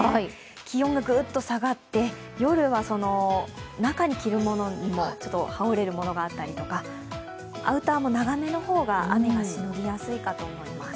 気温がグッと下がって、夜は中に着るものも羽織れるものがあったりとかアウターも長めの方が雨がしのぎやすいと思います。